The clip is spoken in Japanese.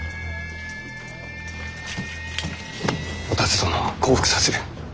お田鶴殿は降伏させる。